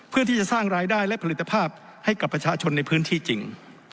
เพื่อที่จะสร้างรายได้และผลิตภาพให้กับประชาชนในพื้นที่จริง